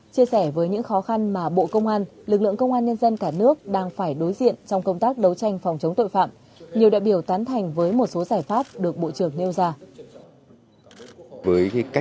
chia sẻ với những khó khăn mà bộ công an lực lượng công an nhân dân cả nước đang phải đối diện trong công tác đấu tranh phòng chống tội phạm nhiều đại biểu tán thành với một số giải pháp được bộ trưởng nêu ra